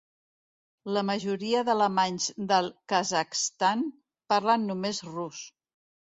La majoria d'alemanys del Kazakhstan parlen només rus.